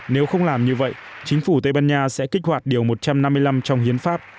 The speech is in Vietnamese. nếu không làm như vậy chính phủ tây ban nha sẽ kích hoạt điều một trăm năm mươi năm trong hiến pháp